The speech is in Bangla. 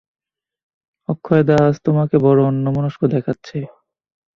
অক্ষয়দা, আজ তোমাকে বড়ো অন্যমনস্ক দেখাচ্ছে।